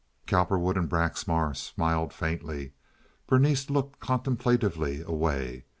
Cowperwood and Braxmar smiled faintly. Berenice looked contemplatively away.